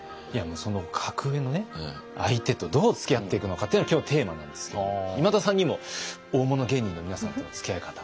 その格上の相手とどうつきあっていくのかっていうのが今日のテーマなんですけれども今田さんにも大物芸人の皆さんとのつきあい方。